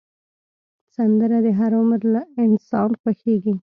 سندره د هر عمر انسان خوښېږي